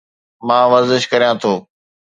مان ورزش ڪريان ٿو